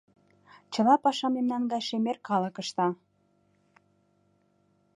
Чыла пашам мемнан гай шемер калык ышта.